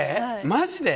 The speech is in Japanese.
マジで？